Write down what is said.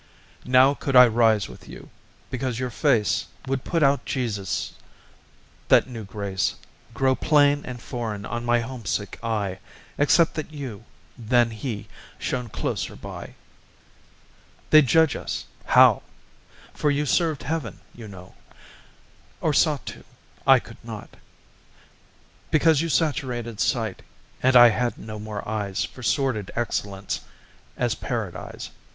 Nor could I rise with you, Because your face Would put out Jesus', That new grace Glow plain and foreign On my homesick eye, Except that you, than he Shone closer by. They'd judge us how? For you served Heaven, you know, Or sought to; I could not, Because you saturated sight, And I had no more eyes For sordid excellence As Paradise.